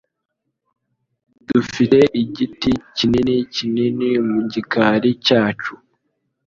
Dufite igiti kinini kinini mu gikari cyacu.